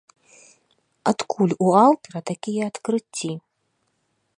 Адкуль у аўтара такія адкрыцці?